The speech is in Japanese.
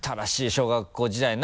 小学校時代な！